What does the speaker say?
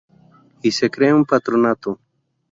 Y se crea un Patronato.